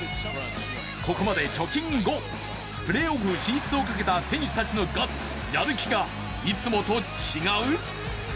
ここまで貯金５プレーオフ進出をかけた選手たちのガッツ、やる気がいつもと違う！？